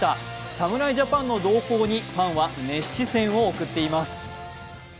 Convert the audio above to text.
侍ジャパンの動向にファンは熱視線を送っています。